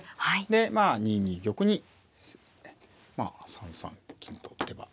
でまあ２二玉に３三金と打てば。